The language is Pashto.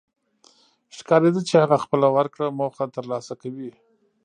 ښکارېده چې هغه خپله ورکړه موخه تر لاسه کوي.